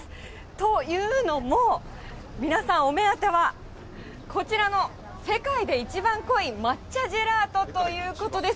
というのも、皆さん、お目当てはこちらの世界で一番濃い抹茶ジェラートということです。